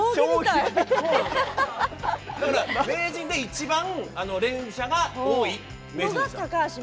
だから、名人で一番、連射が多い名人でした。